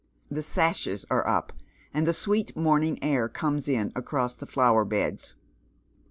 The sashes are up, and the sweet morning air comes in across the flower beds.